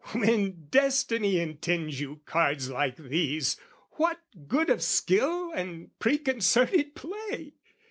When destiny intends you cards like these, What good of skill and preconcerted play?